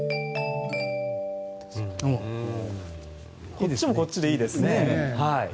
こっちもこっちでいいですね。